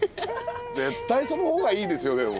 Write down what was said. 絶対そのほうがいいですよでも。